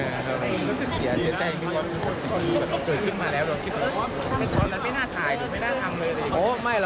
อย่าเสียใจว่าเกิดขึ้นมาแล้วโดยไม่น่าถ่ายหรือไม่น่าทำเลย